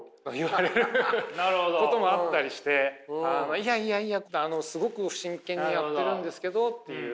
いやいやいやすごく真剣にやってるんですけどっていう。